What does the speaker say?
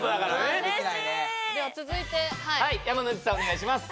では続いて山之内さんお願いします